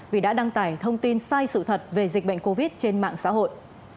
vì đã đăng tải thông tin sai sự thật về dịch bệnh covid trên mạng xã hội